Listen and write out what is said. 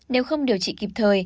nếu không điều trị kịp thời